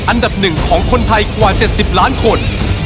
อันดับ๑ของคนไทยกว่า๗๐ล้านคน